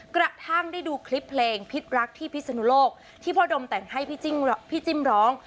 กระทั่งได้ดูคลิปเพลงพิษรักที่พิศนุโลกที่พ่อดมแต่งให้พี่จิ้มร้อง